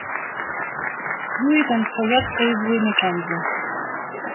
Hewitt and Fayette Avery McKenzie.